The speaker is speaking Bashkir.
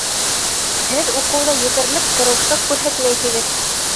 Һеҙ уҡыуҙа етерлек тырышлыҡ күрһәтмәйһегеҙ